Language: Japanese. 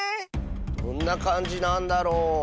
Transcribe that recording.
どんなかんじなんだろう？